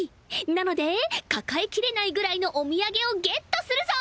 なので抱えきれないぐらいのお土産をゲットするぞ！